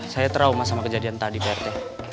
saya terahuma sama kejadian tadi pak rt